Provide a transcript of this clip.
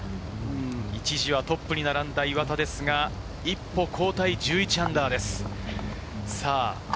一時はトップに並んだ岩田ですが、一歩後退、−１１です。